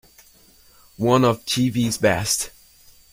One of Jeeves's best.